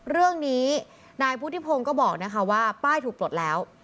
เรื่องนี้นายพุทธิพงศ์ก็บอกนะคะว่าป้ายถูกปลดแล้ว